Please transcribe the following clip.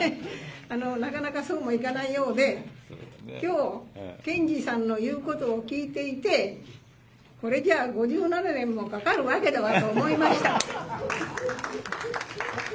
なかなかそうもいかないようで、きょう、検事さんのいうことを聞いていて、これじゃあ５７年もかかるわけだわと思いました。